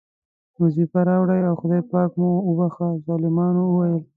وظیفه راوړئ او خدای پاک مو وبښه، طالبانو وویل.